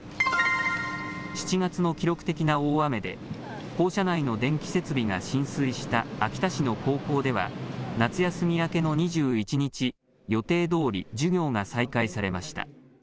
７月の記録的な大雨で校舎内の電気設備が浸水した秋田市の高校では夏休み明けの２１日予定どおり授業が再開されました。